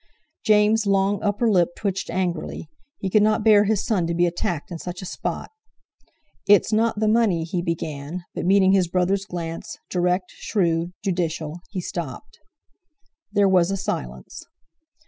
James' long upper lip twitched angrily; he could not bear his son to be attacked in such a spot. "It's not the money," he began, but meeting his brother's glance, direct, shrewd, judicial, he stopped. There was a silence.